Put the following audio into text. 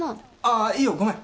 あいいよごめん。